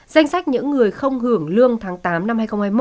danh sách những người không hưởng lương tháng tám năm hai nghìn hai mươi một